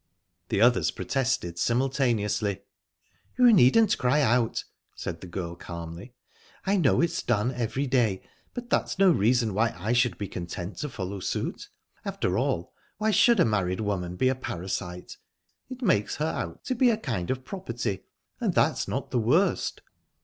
The others protested simultaneously. "You needn't cry out," said the girl calmly. "I know it's done every day, but that's no reason why I should be content to follow suit. After all, why should a married woman be a parasite? It makes her out to be a kind of property. And that's not the worst..."